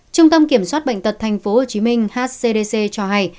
trung tâm kiểm soát bệnh tật tp hcm hcdc cho hay